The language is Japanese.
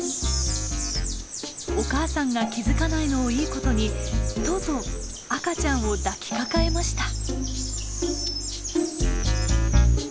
お母さんが気付かないのをいいことにとうとう赤ちゃんを抱きかかえました。